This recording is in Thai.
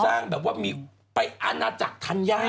สร้างแบบว่ามีไปอานาจักษ์ธัญญาเลย